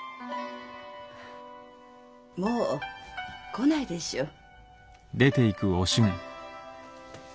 もう来ないでしょう。